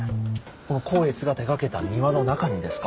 この光悦が手がけた庭の中にですか？